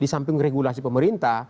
di samping regulasi pemerintah